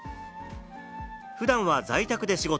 普段は在宅で仕事。